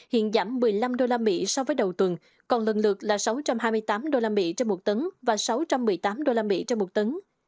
hiện giảm một mươi năm usd so với đầu tuần còn lần lượt là sáu trăm hai mươi tám usd trong một tấn và sáu trăm một mươi tám usd trong một tấn